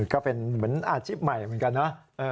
ก็เป็นเหมือนอาชีพใหม่เหมือนกันนะ